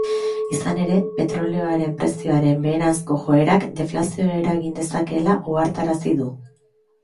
Izan ere, petrolioaren prezioaren beheranzko joerak deflazioa eragin dezakeela ohartarazi du.